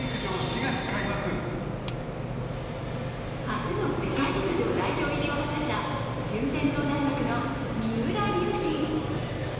初の世界陸上代表入りを果たした順天堂大学の三浦龍司。